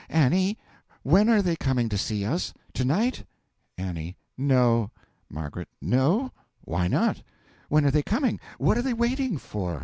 Annie, when are they coming to see us? To night? A. No. M. No? Why not? When are they coming? What are they waiting for?